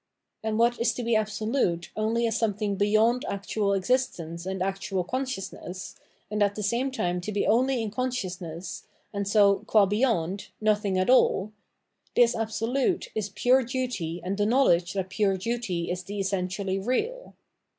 And what is to be absolute only as something beyond actual existence and actual con sciousness, and at the same time to be only in conscious ness and so, gm beyond, nothing at all — this absolute is pure duty and the knowledge that pure duty is the essen tially real.